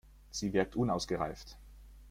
Sie wirkt unausgereift.